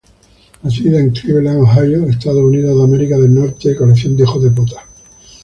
Nacida en Cleveland, Ohio, Estados Unidos.